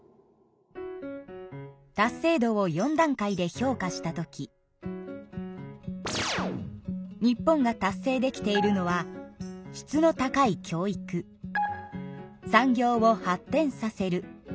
達成度を４段階で評価したとき日本が達成できているのは「質の高い教育」「産業を発展させる」